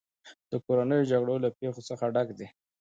د کورنیو جګړو له پېښو څخه ډک دی.